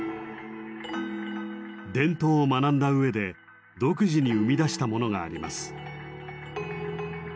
伝統を学んだ上で独自に生み出したものがあります。